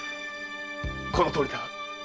このとおりだ。